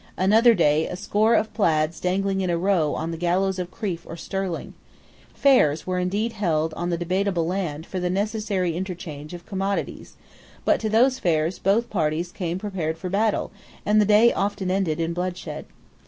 Another day a score of plaids dangled in a row on the gallows of Crieff or Stirling. Fairs were indeed held on the debatable land for the necessary interchange of commodities. But to those fairs both parties came prepared for battle; and the day often ended in bloodshed.